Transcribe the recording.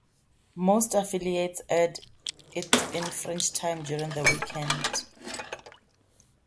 Most affiliates aired it in "fringe time" during the weekend.